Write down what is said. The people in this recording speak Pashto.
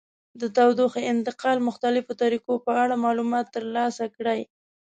د تودوخې انتقال مختلفو طریقو په اړه معلومات ترلاسه کړئ.